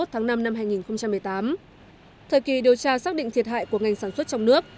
thời kỳ điều tra xác định thiệt hại của ngành sản xuất trong nước